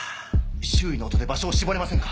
周囲の音で場所を絞れませんか？